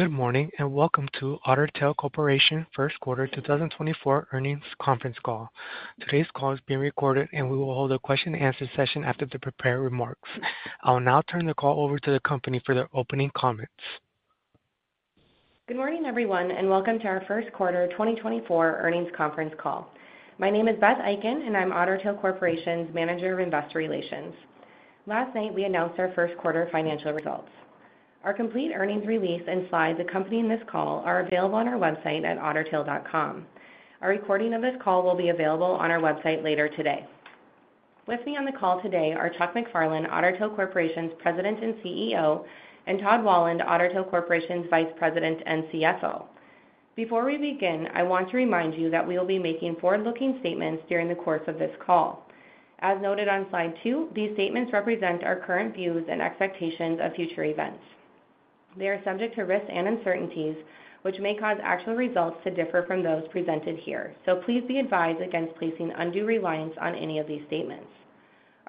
Good morning, and welcome to Otter Tail Corporation Q1 2024 Earnings Conference Call. Today's call is being recorded, and we will hold a question-and-answer session after the prepared remarks. I will now turn the call over to the company for their opening comments. Good morning, everyone, and welcome to our Q1 2024 earnings conference call. My name is Beth Eiken, and I'm Otter Tail Corporation's Manager of Investor Relations. Last night, we announced our Q1 financial results. Our complete earnings release and slides accompanying this call are available on our website at ottertail.com. A recording of this call will be available on our website later today. With me on the call today are Chuck MacFarlane, Otter Tail Corporation's President and CEO, and Todd Wahlund, Otter Tail Corporation's Vice President and CFO. Before we begin, I want to remind you that we will be making forward-looking statements during the course of this call. As noted on Slide 2, these statements represent our current views and expectations of future events. They are subject to risks and uncertainties, which may cause actual results to differ from those presented here. Please be advised against placing undue reliance on any of these statements.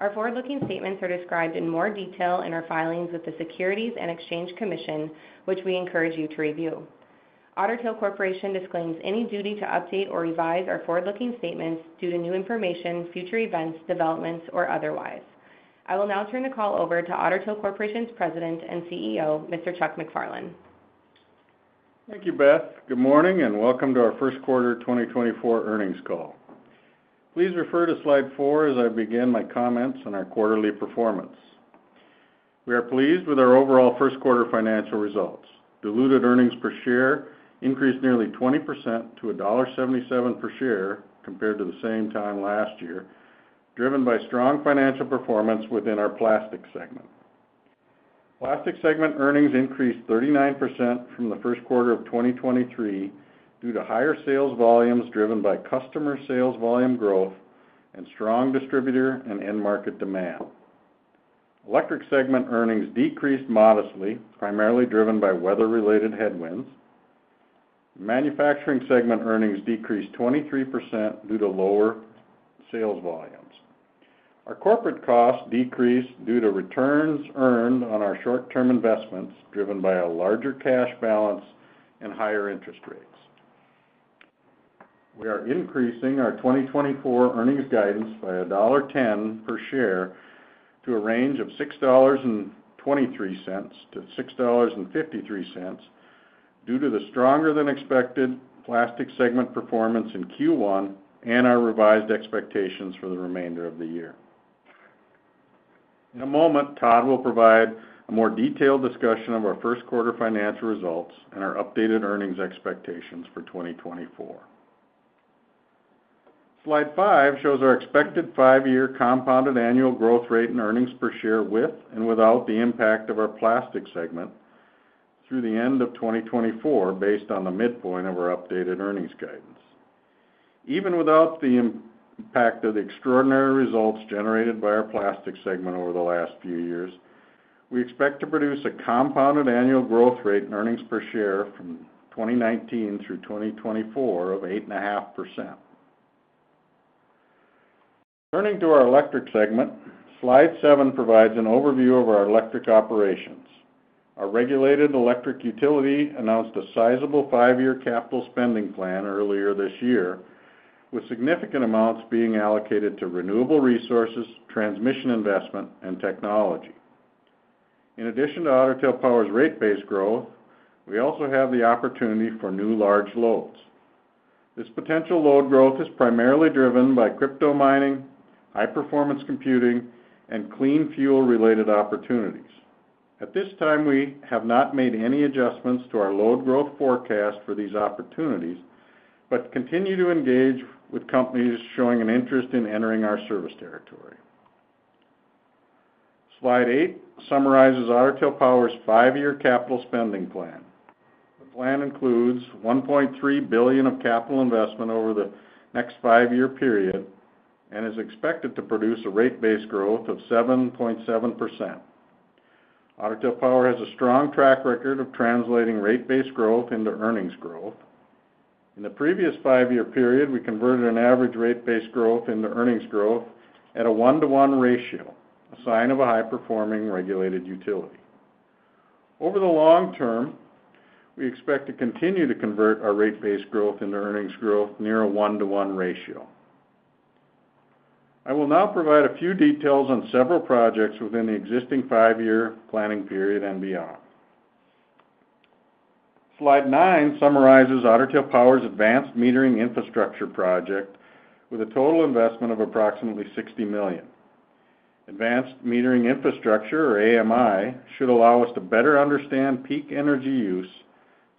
Our forward-looking statements are described in more detail in our filings with the Securities and Exchange Commission, which we encourage you to review. Otter Tail Corporation disclaims any duty to update or revise our forward-looking statements due to new information, future events, developments, or otherwise. I will now turn the call over to Otter Tail Corporation's President and CEO, Mr. Chuck MacFarlane. Thank you, Beth. Good morning, and welcome to our Q1 2024 earnings call. Please refer to Slide 4 as I begin my comments on our quarterly performance. We are pleased with our overall Q1 financial results. Diluted earnings per share increased nearly 20% to $1.77 per share compared to the same time last year, driven by strong financial performance within our plastics segment. Plastics segment earnings increased 39% from the Q1 of 2023 due to higher sales volumes driven by customer sales volume growth and strong distributor and end market demand. Electric segment earnings decreased modestly, primarily driven by weather-related headwinds. Manufacturing segment earnings decreased 23% due to lower sales volumes. Our corporate costs decreased due to returns earned on our short-term investments, driven by a larger cash balance and higher interest rates. We are increasing our 2024 earnings guidance by $1.10 per share to a range of $6.23-$6.53 due to the stronger-than-expected Plastics segment performance in Q1 and our revised expectations for the remainder of the year. In a moment, Todd will provide a more detailed discussion of our Q1 financial results and our updated earnings expectations for 2024. Slide 5 shows our expected 5-year compounded annual growth rate in earnings per share, with and without the impact of our Plastics segment through the end of 2024, based on the midpoint of our updated earnings guidance. Even without the impact of the extraordinary results generated by our plastics segment over the last few years, we expect to produce a compounded annual growth rate in earnings per share from 2019 through 2024 of 8.5%. Turning to our electric segment, Slide 7 provides an overview of our electric operations. Our regulated electric utility announced a sizable 5-year capital spending plan earlier this year, with significant amounts being allocated to renewable resources, transmission investment, and technology. In addition to Otter Tail Power's rate base growth, we also have the opportunity for new large loads. This potential load growth is primarily driven by crypto mining, high-performance computing, and clean fuel-related opportunities. At this time, we have not made any adjustments to our load growth forecast for these opportunities, but continue to engage with companies showing an interest in entering our service territory. Slide 8 summarizes Otter Tail Power's 5-year capital spending plan. The plan includes $1.3 billion of capital investment over the next 5-year period and is expected to produce a rate base growth of 7.7%. Otter Tail Power has a strong track record of translating rate base growth into earnings growth. In the previous five-year period, we converted an average rate base growth into earnings growth at a 1-to-1 ratio, a sign of a high-performing regulated utility. Over the long term, we expect to continue to convert our rate base growth into earnings growth near a 1-to-1 ratio. I will now provide a few details on several projects within the existing five-year planning period and beyond. Slide 9 summarizes Otter Tail Power's advanced metering infrastructure project, with a total investment of approximately $60 million. Advanced metering infrastructure, or AMI, should allow us to better understand peak energy use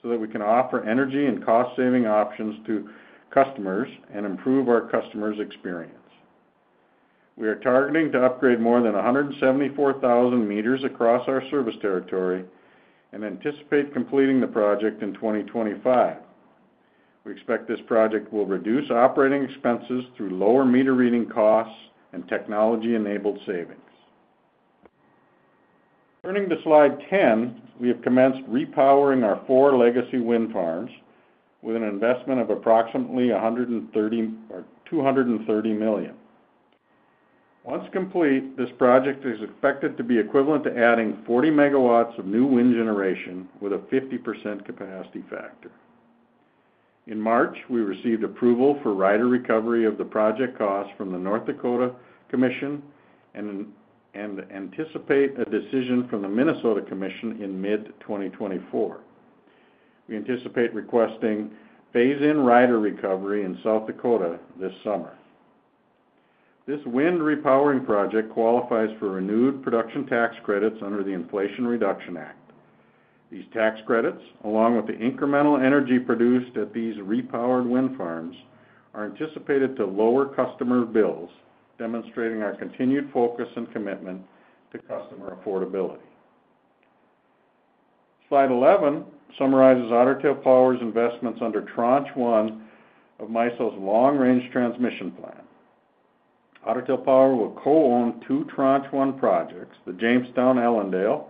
so that we can offer energy and cost-saving options to customers and improve our customers' experience. We are targeting to upgrade more than 174,000 meters across our service territory and anticipate completing the project in 2025. We expect this project will reduce operating expenses through lower meter reading costs and technology-enabled savings. Turning to Slide 10, we have commenced repowering our 4 legacy wind farms with an investment of approximately $230 million. Once complete, this project is expected to be equivalent to adding 40 MW of new wind generation with a 50% capacity factor. In March, we received approval for rider recovery of the project costs from the North Dakota Commission and anticipate a decision from the Minnesota Commission in mid-2024. We anticipate requesting phase-in rider recovery in South Dakota this summer. This wind repowering project qualifies for renewed production tax credits under the Inflation Reduction Act. These tax credits, along with the incremental energy produced at these repowered wind farms, are anticipated to lower customer bills, demonstrating our continued focus and commitment to customer affordability. Slide 11 summarizes Otter Tail Power's investments under Tranche 1 of MISO's Long Range Transmission Plan. Otter Tail Power will co-own two Tranche 1 projects, the Jamestown-Ellendale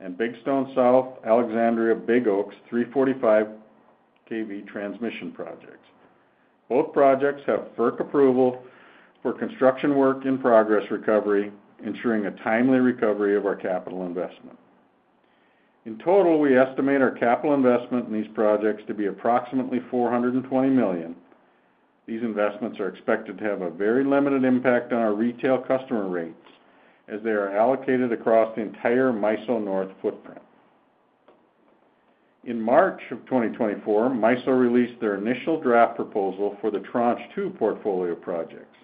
and Big Stone South-Alexandria-Big Oaks 345 kV transmission projects. Both projects have FERC approval for construction work in progress recovery, ensuring a timely recovery of our capital investment. In total, we estimate our capital investment in these projects to be approximately $420 million. These investments are expected to have a very limited impact on our retail customer rates as they are allocated across the entire MISO North footprint. In March of 2024, MISO released their initial draft proposal for the Tranche 2 portfolio projects.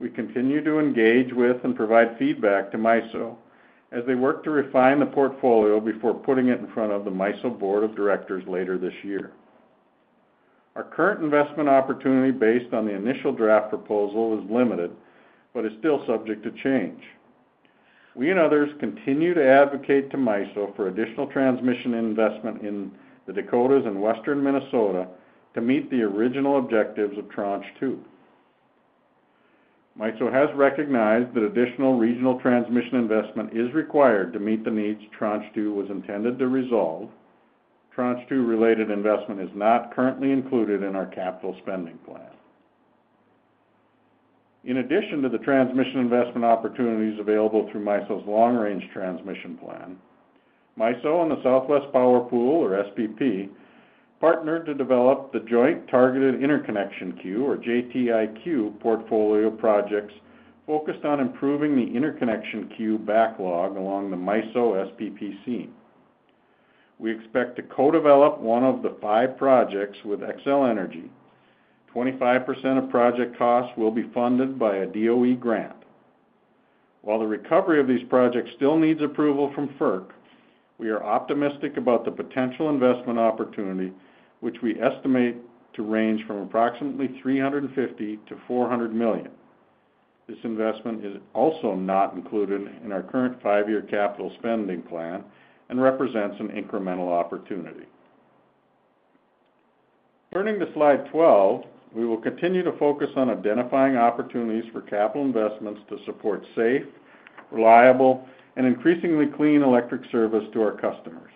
We continue to engage with and provide feedback to MISO as they work to refine the portfolio before putting it in front of the MISO Board of Directors later this year. Our current investment opportunity, based on the initial draft proposal, is limited, but is still subject to change. We and others continue to advocate to MISO for additional transmission investment in the Dakotas and Western Minnesota to meet the original objectives of Tranche 2. MISO has recognized that additional regional transmission investment is required to meet the needs Tranche 2 was intended to resolve. Tranche 2-related investment is not currently included in our capital spending plan. In addition to the transmission investment opportunities available through MISO's Long Range Transmission Plan, MISO and the Southwest Power Pool, or SPP, partnered to develop the Joint Targeted Interconnection Queue, or JTIQ, portfolio of projects focused on improving the interconnection queue backlog along the MISO-SPP seam. We expect to co-develop one of the five projects with Xcel Energy. 25% of project costs will be funded by a DOE grant. While the recovery of these projects still needs approval from FERC, we are optimistic about the potential investment opportunity, which we estimate to range from approximately $350 million-$400 million. This investment is also not included in our current 5-year capital spending plan and represents an incremental opportunity. Turning to Slide 12, we will continue to focus on identifying opportunities for capital investments to support safe, reliable, and increasingly clean electric service to our customers.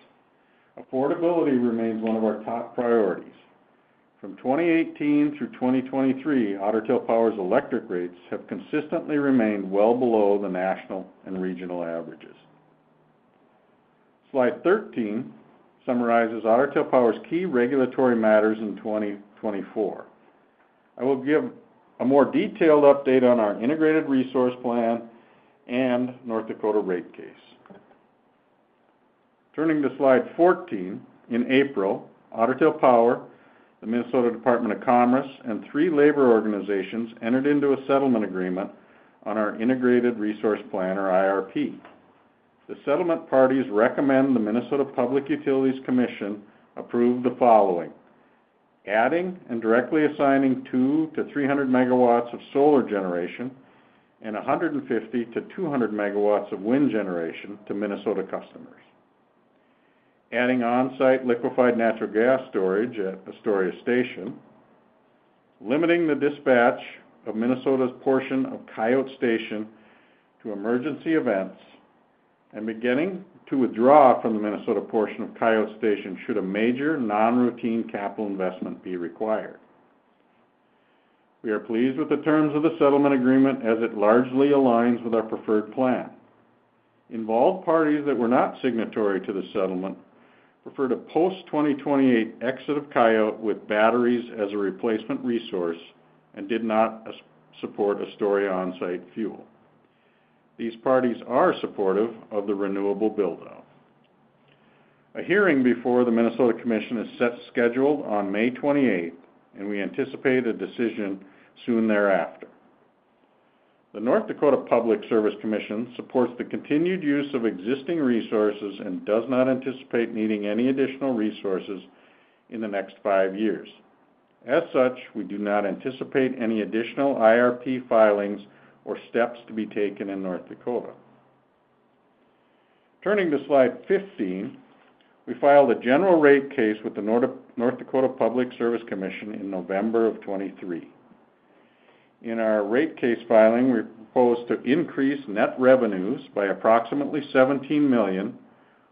Affordability remains one of our top priorities. From 2018 through 2023, Otter Tail Power's electric rates have consistently remained well below the national and regional averages. Slide 13 summarizes Otter Tail Power's key regulatory matters in 2024. I will give a more detailed update on our Integrated Resource Plan and North Dakota rate case. Turning to Slide 14, in April, Otter Tail Power, the Minnesota Department of Commerce, and three labor organizations entered into a settlement agreement on our Integrated Resource Plan or IRP. The settlement parties recommend the Minnesota Public Utilities Commission approve the following: adding and directly assigning 200-300 megawatts of solar generation and 150-200 megawatts of wind generation to Minnesota customers, adding on-site liquefied natural gas storage at Astoria Station, limiting the dispatch of Minnesota's portion of Coyote Station to emergency events, and beginning to withdraw from the Minnesota portion of Coyote Station, should a major non-routine capital investment be required. We are pleased with the terms of the settlement agreement as it largely aligns with our preferred plan. Involved parties that were not signatory to the settlement preferred a post-2028 exit of Coyote with batteries as a replacement resource and did not support Astoria on-site fuel. These parties are supportive of the renewable build-out. A hearing before the Minnesota Commission is scheduled on May 28, and we anticipate a decision soon thereafter. The North Dakota Public Service Commission supports the continued use of existing resources and does not anticipate needing any additional resources in the next 5 years. As such, we do not anticipate any additional IRP filings or steps to be taken in North Dakota. Turning to Slide 15, we filed a general rate case with the North Dakota Public Service Commission in November 2023. In our rate case filing, we proposed to increase net revenues by approximately $17 million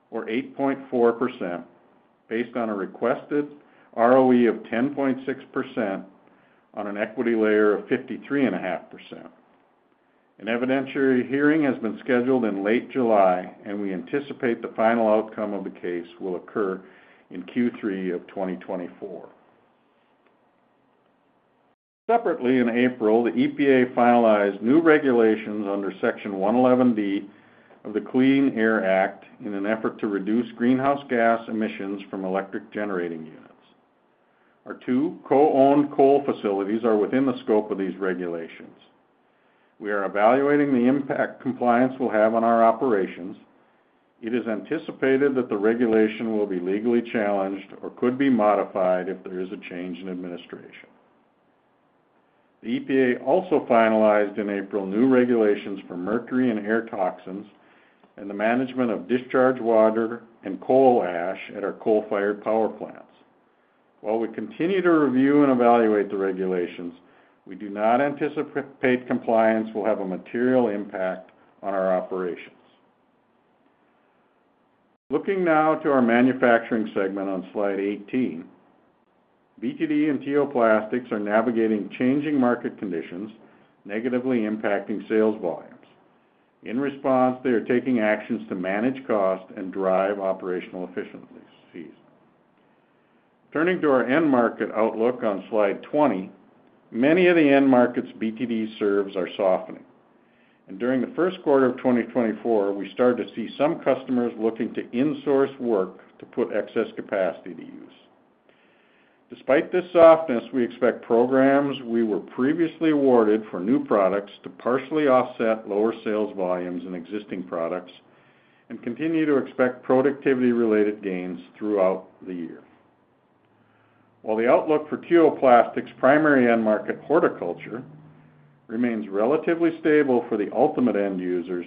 or 8.4%, based on a requested ROE of 10.6% on an equity layer of 53.5%. An evidentiary hearing has been scheduled in late July, and we anticipate the final outcome of the case will occur in Q3 of 2024. Separately, in April, the EPA finalized new regulations under Section 111(b) of the Clean Air Act in an effort to reduce greenhouse gas emissions from electric generating units. Our two co-owned coal facilities are within the scope of these regulations. We are evaluating the impact compliance will have on our operations. It is anticipated that the regulation will be legally challenged or could be modified if there is a change in administration. The EPA also finalized, in April, new regulations for mercury and air toxins and the management of discharge water and coal ash at our coal-fired power plants. While we continue to review and evaluate the regulations, we do not anticipate compliance will have a material impact on our operations. Looking now to our manufacturing segment on Slide 18, BTD and T.O. Plastics are navigating changing market conditions, negatively impacting sales volumes. In response, they are taking actions to manage cost and drive operational efficiencies. Turning to our end market outlook on Slide 20, many of the end markets BTD serves are softening, and during the Q1 of 2024, we started to see some customers looking to insource work to put excess capacity to use. Despite this softness, we expect programs we were previously awarded for new products to partially offset lower sales volumes in existing products and continue to expect productivity-related gains throughout the year. While the outlook for T.O. Plastics' primary end market, horticulture, remains relatively stable for the ultimate end users,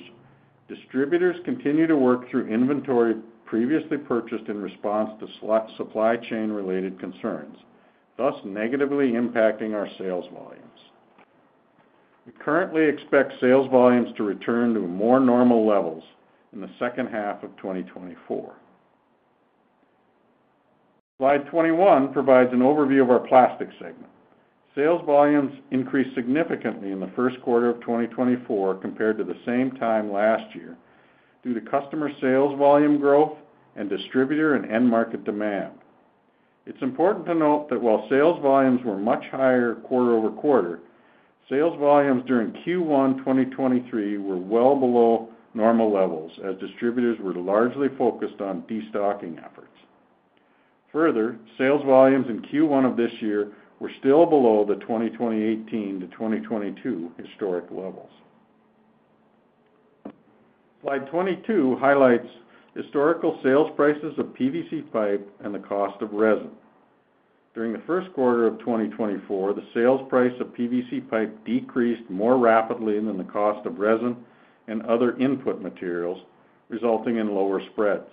distributors continue to work through inventory previously purchased in response to supply chain-related concerns, thus negatively impacting our sales volumes. We currently expect sales volumes to return to more normal levels in the second half of 2024. Slide 21 provides an overview of our plastics segment. Sales volumes increased significantly in the Q1 of 2024 compared to the same time last year, due to customer sales volume growth and distributor and end market demand. It's important to note that while sales volumes were much higher quarter-over-quarter, sales volumes during Q1 2023 were well below normal levels, as distributors were largely focused on destocking efforts. Further, sales volumes in Q1 of this year were still below the 2018 to 2022 historic levels. Slide 22 highlights historical sales prices of PVC pipe and the cost of resin. During the Q1 of 2024, the sales price of PVC pipe decreased more rapidly than the cost of resin and other input materials, resulting in lower spreads.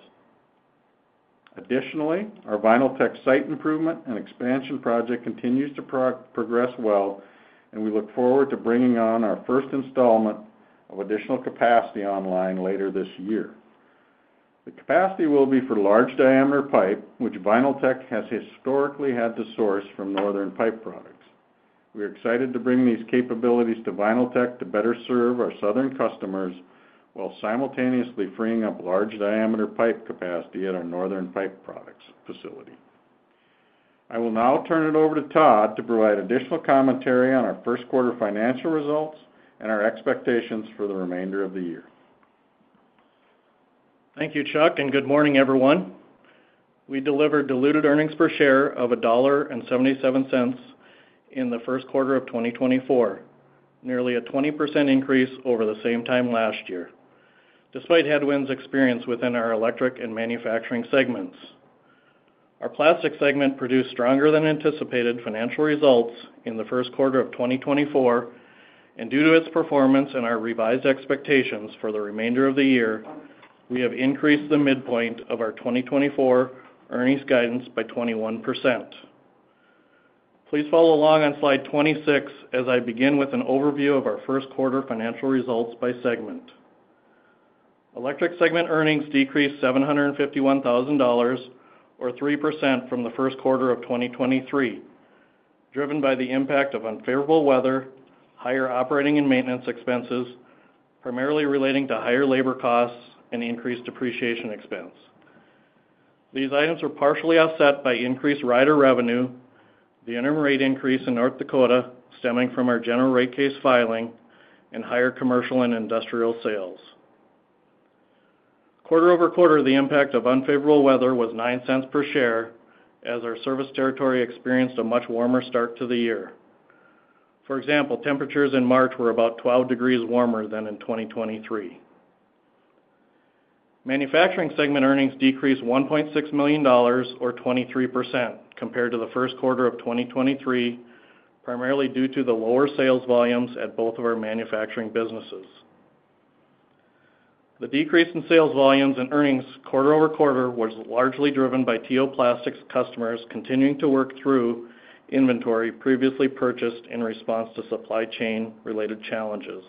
Additionally, our Vinyltech site improvement and expansion project continues to progress well, and we look forward to bringing on our first installment of additional capacity online later this year. The capacity will be for large-diameter pipe, which Vinyltech has historically had to source from Northern Pipe Products. We are excited to bring these capabilities to Vinyltech to better serve our southern customers, while simultaneously freeing up large-diameter pipe capacity at our Northern Pipe Products facility. I will now turn it over to Todd to provide additional commentary on our Q1 financial results and our expectations for the remainder of the year. Thank you, Chuck, and good morning, everyone. We delivered diluted earnings per share of $1.77 in the Q1 of 2024, nearly a 20% increase over the same time last year, despite headwinds experienced within our electric and manufacturing segments. Our Plastics segment produced stronger than anticipated financial results in the Q1 of 2024, and due to its performance and our revised expectations for the remainder of the year, we have increased the midpoint of our 2024 earnings guidance by 21%. Please follow along on Slide 26 as I begin with an overview of our Q1 financial results by segment. Electric segment earnings decreased $751,000 or 3% from the Q1 of 2023, driven by the impact of unfavorable weather, higher operating and maintenance expenses, primarily relating to higher labor costs and increased depreciation expense. These items were partially offset by increased rider revenue, the interim rate increase in North Dakota stemming from our general rate case filing, and higher commercial and industrial sales. Quarter-over-quarter, the impact of unfavorable weather was $0.09 per share, as our service territory experienced a much warmer start to the year. For example, temperatures in March were about 12 degrees warmer than in 2023. Manufacturing segment earnings decreased $1.6 million or 23% compared to the Q1 of 2023, primarily due to the lower sales volumes at both of our manufacturing businesses. The decrease in sales volumes and earnings quarter-over-quarter was largely driven by T.O. Plastics customers continuing to work through inventory previously purchased in response to supply chain-related challenges.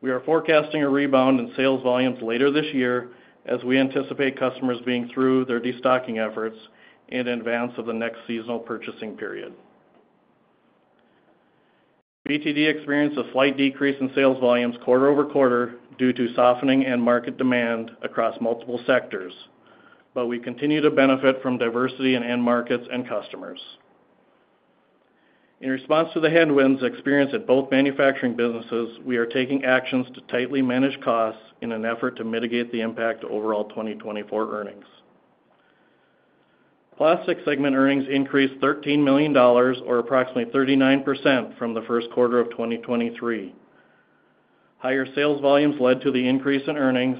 We are forecasting a rebound in sales volumes later this year as we anticipate customers being through their destocking efforts in advance of the next seasonal purchasing period. BTD experienced a slight decrease in sales volumes quarter-over-quarter due to softening end market demand across multiple sectors, but we continue to benefit from diversity in end markets and customers. In response to the headwinds experienced at both manufacturing businesses, we are taking actions to tightly manage costs in an effort to mitigate the impact to overall 2024 earnings. Plastics segment earnings increased $13 million, or approximately 39% from the Q1 of 2023. Higher sales volumes led to the increase in earnings,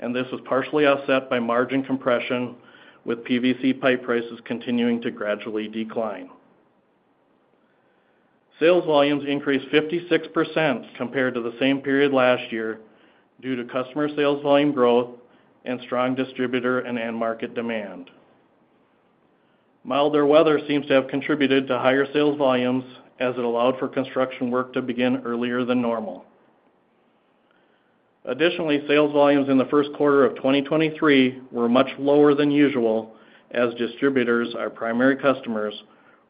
and this was partially offset by margin compression, with PVC pipe prices continuing to gradually decline. Sales volumes increased 56% compared to the same period last year due to customer sales volume growth and strong distributor and end market demand. Milder weather seems to have contributed to higher sales volumes as it allowed for construction work to begin earlier than normal. Additionally, sales volumes in the Q1 of 2023 were much lower than usual, as distributors, our primary customers,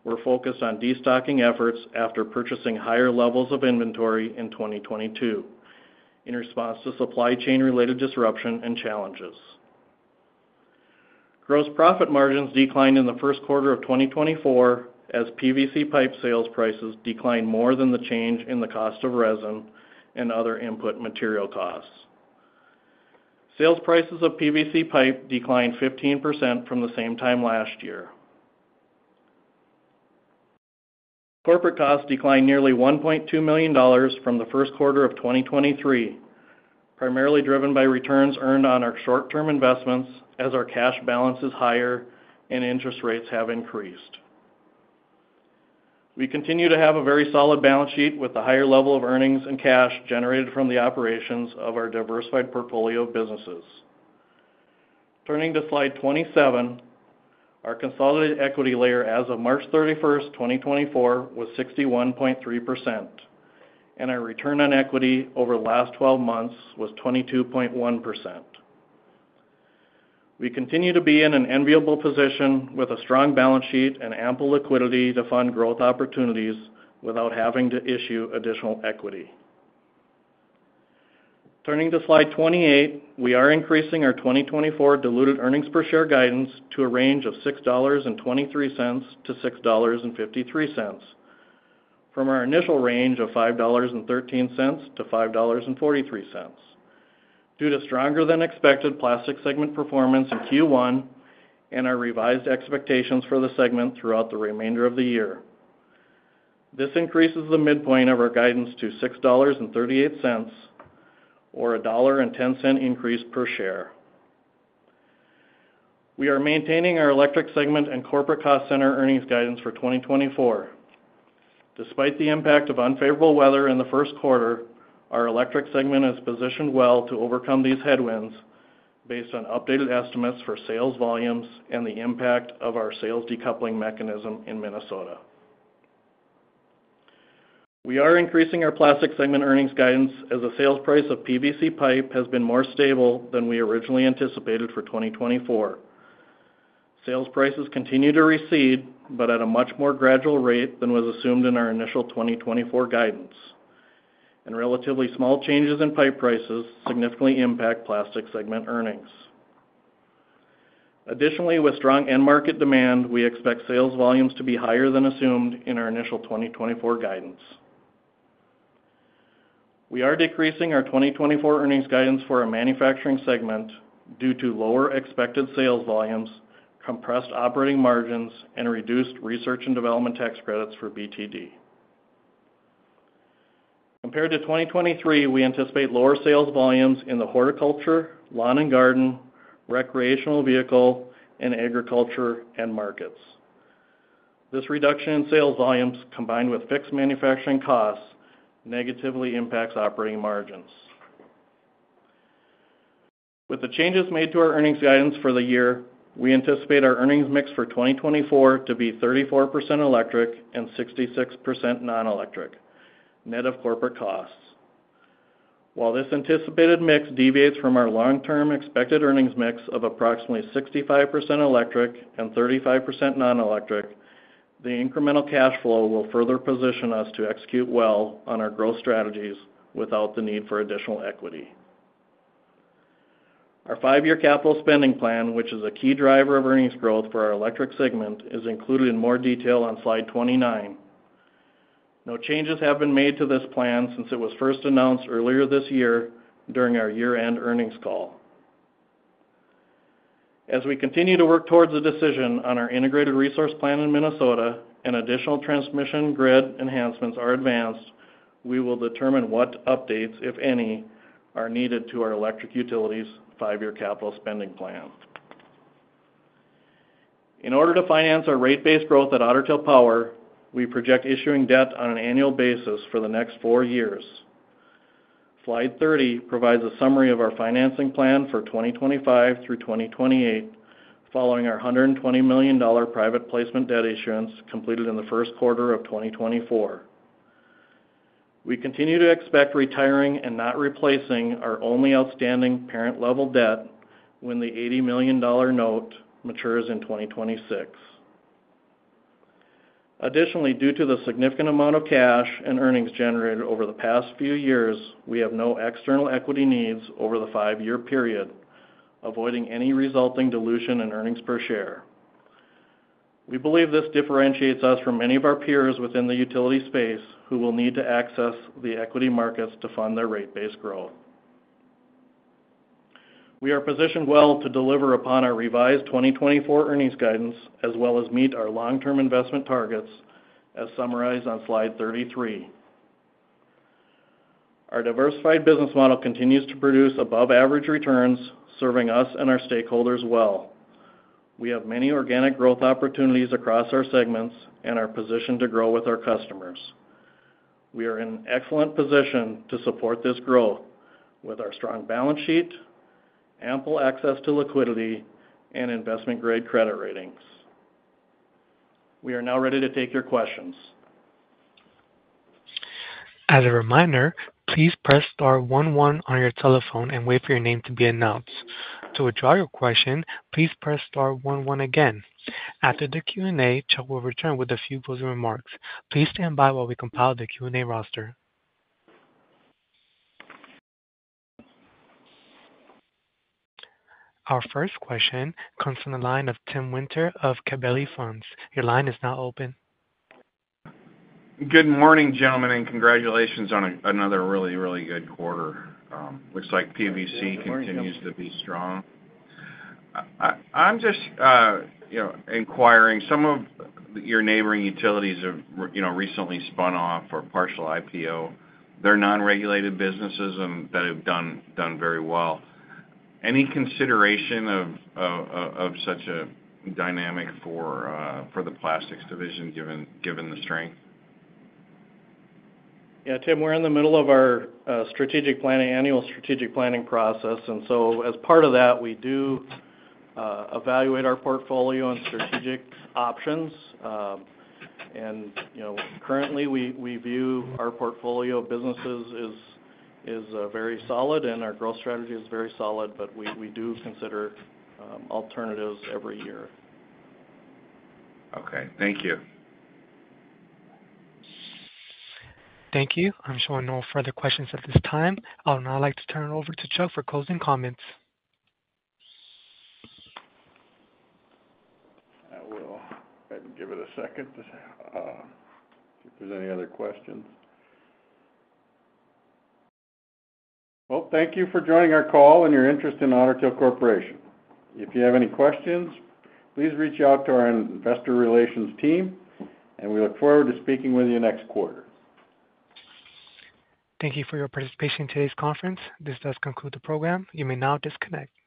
were focused on destocking efforts after purchasing higher levels of inventory in 2022 in response to supply chain-related disruption and challenges. Gross profit margins declined in the Q1 of 2024 as PVC pipe sales prices declined more than the change in the cost of resin and other input material costs. Sales prices of PVC pipe declined 15% from the same time last year. Corporate costs declined nearly $1.2 million from the Q1 of 2023, primarily driven by returns earned on our short-term investments as our cash balance is higher and interest rates have increased. We continue to have a very solid balance sheet with a higher level of earnings and cash generated from the operations of our diversified portfolio of businesses. Turning to Slide 27, our consolidated equity layer as of March 31, 2024, was 61.3%, and our return on equity over the last 12 months was 22.1%. We continue to be in an enviable position with a strong balance sheet and ample liquidity to fund growth opportunities without having to issue additional equity. Turning to Slide 28, we are increasing our 2024 diluted earnings per share guidance to a range of $6.23-$6.53, from our initial range of $5.13-$5.43, due to stronger-than-expected Plastics segment performance in Q1 and our revised expectations for the segment throughout the remainder of the year. This increases the midpoint of our guidance to $6.38, or a $1.10 increase per share. We are maintaining our Electric segment and corporate cost center earnings guidance for 2024. Despite the impact of unfavorable weather in the Q1, our Electric segment is positioned well to overcome these headwinds based on updated estimates for sales volumes and the impact of our sales decoupling mechanism in Minnesota. We are increasing our Plastics segment earnings guidance as the sales price of PVC pipe has been more stable than we originally anticipated for 2024. Sales prices continue to recede, but at a much more gradual rate than was assumed in our initial 2024 guidance. Relatively small changes in pipe prices significantly impact Plastics segment earnings. Additionally, with strong end market demand, we expect sales volumes to be higher than assumed in our initial 2024 guidance. We are decreasing our 2024 earnings guidance for our Manufacturing segment due to lower expected sales volumes, compressed operating margins, and reduced research and development tax credits for BTD. Compared to 2023, we anticipate lower sales volumes in the horticulture, lawn and garden, recreational vehicle, and agriculture end markets. This reduction in sales volumes, combined with fixed manufacturing costs, negatively impacts operating margins. With the changes made to our earnings guidance for the year, we anticipate our earnings mix for 2024 to be 34% electric and 66% nonelectric, net of corporate costs. While this anticipated mix deviates from our long-term expected earnings mix of approximately 65% electric and 35% nonelectric, the incremental cash flow will further position us to execute well on our growth strategies without the need for additional equity. Our 5-year capital spending plan, which is a key driver of earnings growth for our Electric segment, is included in more detail on Slide 29. No changes have been made to this plan since it was first announced earlier this year during our year-end earnings call. As we continue to work toward a decision on our Integrated Resource Plan in Minnesota and additional transmission grid enhancements are advanced, we will determine what updates, if any, are needed to our electric utility's five-year capital spending plan. In order to finance our rate base growth at Otter Tail Power, we project issuing debt on an annual basis for the next 4 years.... Slide 30 provides a summary of our financing plan for 2025 through 2028, following our $120 million private placement debt issuance completed in the Q1 of 2024. We continue to expect retiring and not replacing our only outstanding parent-level debt when the $80 million note matures in 2026. Additionally, due to the significant amount of cash and earnings generated over the past few years, we have no external equity needs over the five-year period, avoiding any resulting dilution in earnings per share. We believe this differentiates us from many of our peers within the utility space, who will need to access the equity markets to fund their rate base growth. We are positioned well to deliver upon our revised 2024 earnings guidance, as well as meet our long-term investment targets, as summarized on Slide 33. Our diversified business model continues to produce above-average returns, serving us and our stakeholders well. We have many organic growth opportunities across our segments and are positioned to grow with our customers. We are in excellent position to support this growth with our strong balance sheet, ample access to liquidity, and investment-grade credit ratings. We are now ready to take your questions. As a reminder, please press star one one on your telephone and wait for your name to be announced. To withdraw your question, please press star one one again. After the Q&A, Chuck will return with a few closing remarks. Please stand by while we compile the Q&A roster. Our first question comes from the line of Tim Winter of Gabelli Funds. Your line is now open. Good morning, gentlemen, and congratulations on another really, really good quarter. Looks like PVC continues to be strong. I'm just, you know, inquiring, some of your neighboring utilities have recently spun off for partial IPO, their non-regulated businesses and that have done very well. Any consideration of such a dynamic for the plastics division, given the strength? Yeah, Tim, we're in the middle of our strategic planning - annual strategic planning process, and so as part of that, we do evaluate our portfolio and strategic options. And, you know, currently, we view our portfolio of businesses is very solid, and our growth strategy is very solid, but we do consider alternatives every year. Okay. Thank you. Thank you. I'm showing no further questions at this time. I would now like to turn it over to Chuck for closing comments. I will give it a second to see if there's any other questions. Well, thank you for joining our call and your interest in Otter Tail Corporation. If you have any questions, please reach out to our investor relations team, and we look forward to speaking with you next quarter. Thank you for your participation in today's conference. This does conclude the program. You may now disconnect.